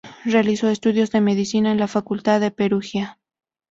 Realizó estudios de Medicina en la Facultad de Perugia.